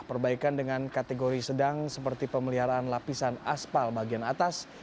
perbaikan dengan kategori sedang seperti pemeliharaan lapisan aspal bagian atas